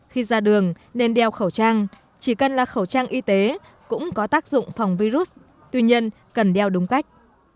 khi ra đường nên đeo khẩu trang chỉ cần là khẩu trang y tế cũng có tác dụng phòng virus tuy nhiên cần đeo đúng cách